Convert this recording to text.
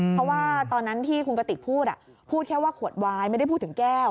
เพราะว่าตอนนั้นที่คุณกติกพูดพูดแค่ว่าขวดวายไม่ได้พูดถึงแก้ว